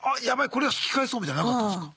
これは引き返そうみたいのなかったんすか？